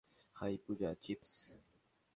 High Puja, chips?